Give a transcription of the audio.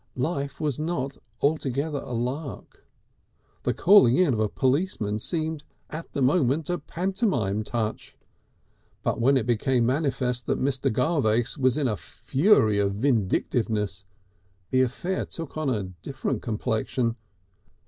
Life was not altogether a lark. The calling in of a policeman seemed at the moment a pantomime touch. But when it became manifest that Mr. Garvace was in a fury of vindictiveness, the affair took on a different complexion.